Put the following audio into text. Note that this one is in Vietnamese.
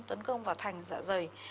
tấn công vào thành dạ dày